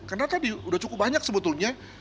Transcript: karena tadi udah cukup banyak sebetulnya